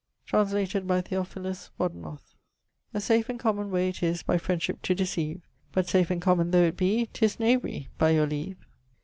Translated by Theophilus Wodinoth: A safe and common way it is by friendship to decieve, But safe and common though it be, 'tis knavery, by your leave.